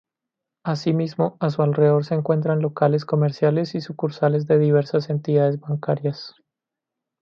Asimismo, a su alrededor se encuentran locales comerciales y sucursales de diversas entidades bancarias.